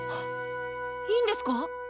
いいんですか？